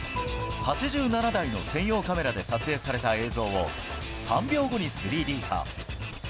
８７台の専用カメラで撮影された映像を、３秒後に３Ｄ化。